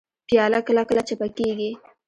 پیاله کله کله چپه کېږي.